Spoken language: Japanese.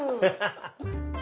ハハハ。